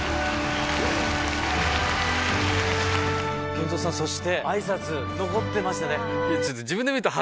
ＫＥＮＺＯさんそして挨拶残ってましたね。